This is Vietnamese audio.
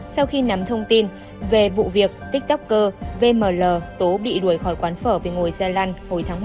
sau khi nắm thông tin về vụ việc tiktoker vml tú bị đuổi khỏi quán phở vì ngồi gia lăn hồi tháng một